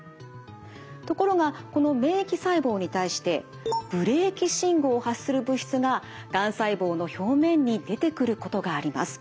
ところがこの免疫細胞に対してブレーキ信号を発する物質ががん細胞の表面に出てくることがあります。